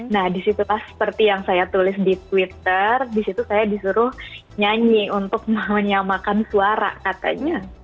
nah disitulah seperti yang saya tulis di twitter disitu saya disuruh nyanyi untuk menyamakan suara katanya